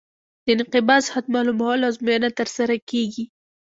د انقباض حد معلومولو ازموینه ترسره کیږي